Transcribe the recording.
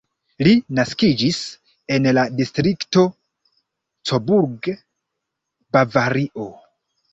Li naskiĝis en la distrikto Coburg, Bavario.